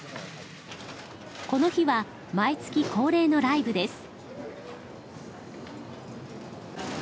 この日は毎月恒例のライブです。